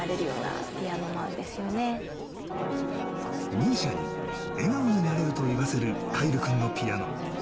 ＭＩＳＩＡに笑顔になれると言わせる凱成君のピアノ。